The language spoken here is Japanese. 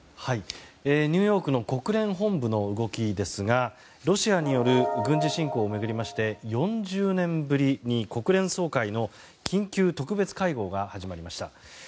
ニューヨークの国連本部の動きですがロシアによる軍事侵攻を巡りまして４０年ぶりに国連総会の緊急特別会合が始まりました。